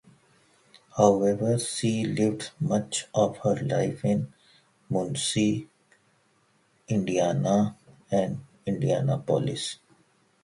However, she lived much of her life in Muncie, Indiana and Indianapolis.